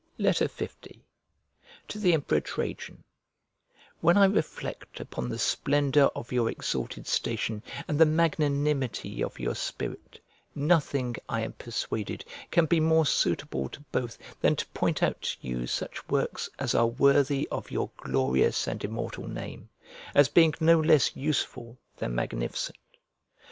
L To THE EMPEROR TRAJAN WHEN I reflect upon the splendour of your exalted station, and the magnanimity of your spirit, nothing, I am persuaded, can be more suitable to both than to point out to you such works as are worthy of your glorious and immortal name, as being no less useful than magnificent.